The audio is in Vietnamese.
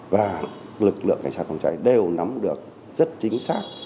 và lực lượng cảnh sát phòng cháy đều nắm được rất chính xác